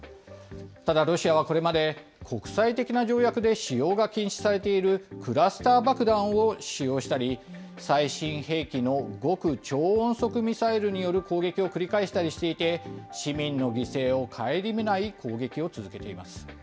ただ、ロシアはこれまで国際的な条約で使用が禁止されているクラスター爆弾を使用したり、最新兵器の極超音速ミサイルによる攻撃を繰り返したりしていて、市民の犠牲を顧みない攻撃を続けています。